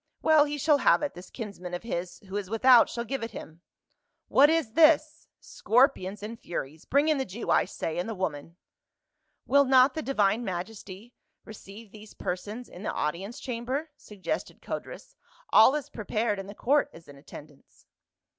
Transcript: Well, he shall have it, this kinsman of his who is without shall give it him. — What is this ! scor pions and furies ! Bring in the Jew, I say, and the woman." " Will not the divine majesty receive these persons 160 PA UL. in the audience chamber ?" suggested Codrus. "All is prepared, and the court is in attendance."